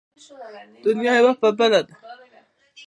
دنيا يو په بله ده.